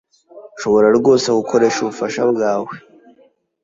Nshobora rwose gukoresha ubufasha bwawe.